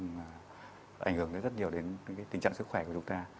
mà ảnh hưởng đến rất nhiều đến tình trạng sức khỏe của chúng ta